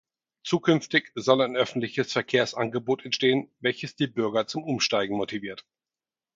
Zukünftig soll ein öffentliches Verkehrsangebot entstehen, welches die Bürger zum Umsteigen motiviert.